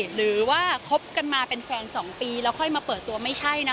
หรือว่าคบกันมาเป็นแฟน๒ปีแล้วค่อยมาเปิดตัวไม่ใช่นะ